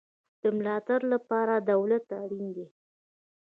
د ملاتړ لپاره دولت اړین دی